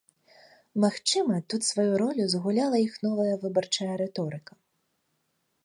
Магчыма тут сваю ролю згуляла іх новая выбарчая рыторыка.